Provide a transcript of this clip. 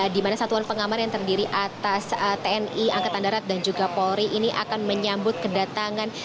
di mana satuan pengaman yang terdiri atas tni angkatan darat dan juga polri ini akan menyambut kedatangan